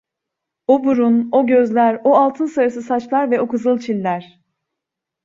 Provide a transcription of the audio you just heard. O burun, o gözler, o altın sarısı saçlar ve o kızıl çiller.